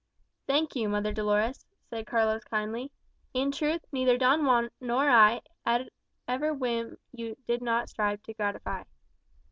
"Thank you, mother Dolores," said Carlos kindly. "In truth, neither Don Juan nor I had ever whim yet you did not strive to gratify."